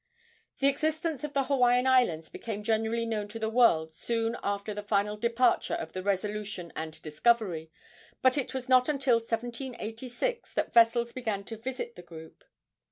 The existence of the Hawaiian Islands became generally known to the world soon after the final departure of the Resolution and Discovery, but it was not until 1786 that vessels began to visit the group.